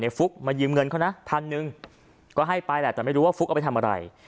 ฟุ๊กมายืมเงินเขานะพันหนึ่งก็ให้ไปแหละแต่ไม่รู้ว่าฟุ๊กเอาไปทำอะไร